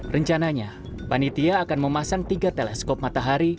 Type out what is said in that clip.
rencananya panitia akan memasang tiga teleskop matahari